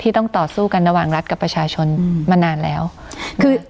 ต้องต่อสู้กันระหว่างรัฐกับประชาชนมานานแล้วคือ